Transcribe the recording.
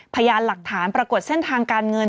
พยานหลักฐานปรากฏเส้นทางการเงิน